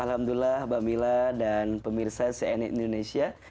alhamdulillah bambila dan pemirsa cnn indonesia